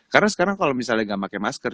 karena sekarang kalau misalnya enggak pakai masker